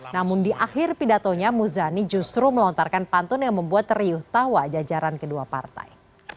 namun di akhir pidatonya muzani justru melontarkan pantun yang membuat teriuh tawa jajaran kedua partai